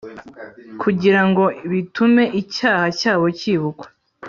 Kugira ngo bitume icyaha cyabo cyibukwa